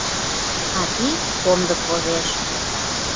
Кати комдык возеш.